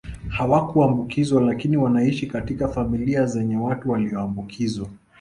Hawakuambukizwa lakini wanaishi katika familia zenye watu waliombukizwa